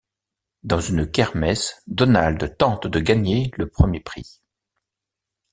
Dans une kermesse, Donald tente de gagner le premier prix.